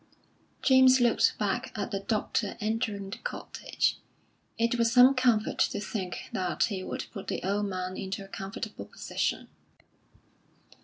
James looked back at the doctor entering the cottage. It was some comfort to think that he would put the old man into a comfortable position.